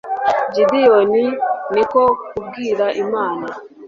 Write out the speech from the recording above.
gideyoni ni ko kubwira imana